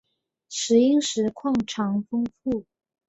石英石矿藏丰富。